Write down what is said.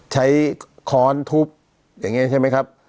ค้อนทุบอย่างนี้ใช่ไหมครับ